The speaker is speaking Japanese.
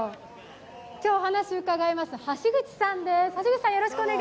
今日、お話を伺います橋口さんです。